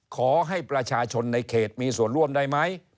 ขอให้ประชาชนในเขตมีส่วนร่วมได้ไหม